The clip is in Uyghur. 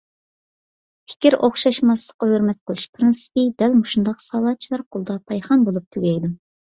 پىكىر ئوخشاشماسلىققا ھۆرمەت قىلىش پىرىنسىپى دەل مۇشۇنداق سالاچىلار قولىدا پايخان بولۇپ تۈگەيدۇ.